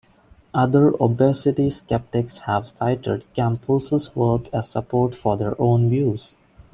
Other obesity skeptics have cited Campos's work as support for their own views.